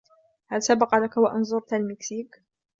هل سبق لك و أن زرت المكسيك ؟